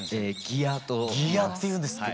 ギアって言うんですって。